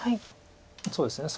そうですね